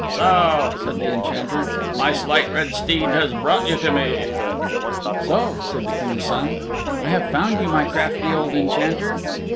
"So," said the Enchanter, "my Slight Red Steed has brought you to me." "So," said the King's Son, "I have found you, my crafty old Enchanter."